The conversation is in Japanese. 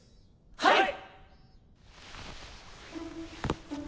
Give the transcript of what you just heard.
はい！